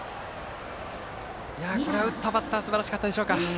これは打ったバッターがすばらしかったでしょうか。